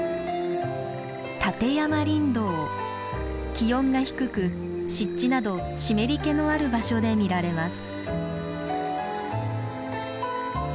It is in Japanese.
気温が低く湿地など湿り気のある場所で見られます。